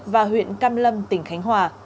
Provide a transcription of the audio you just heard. và huyện cam lâm tỉnh khánh hòa